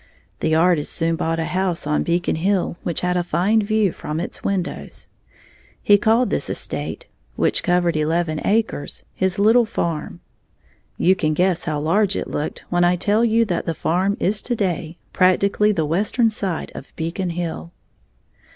The artist soon bought a house on Beacon Hill which had a fine view from its windows. He called this estate, which covered eleven acres, his "little farm." You can guess how large it looked when I tell you that the farm is to day practically the western side of Beacon Hill.